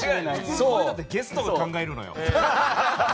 普通こういうのってゲストが考えるのよ。